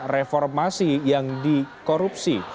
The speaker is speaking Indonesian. reformasi yang dikorupsi